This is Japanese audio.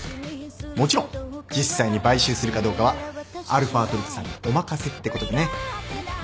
もちろん実際に買収するかどうかはαトルテさんにお任せってことでね。